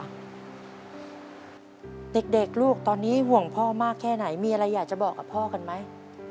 เด็กลูกตอนนี้ห่วงพ่อมากแค่ไหนมีอะไรอยากจะบอกกับพ่อกันไหม